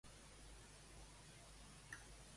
De Dalí, destaca l"Home amb cadena d'or".